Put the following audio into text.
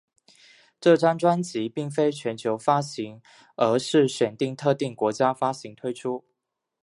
这张专辑并非全球发行而是选定特定国家发行推出。